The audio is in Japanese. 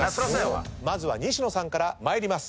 まずは西野さんから参ります。